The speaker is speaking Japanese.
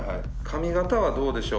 髪形はどうでしょう？